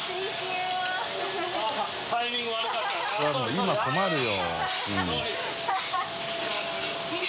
今困るよ。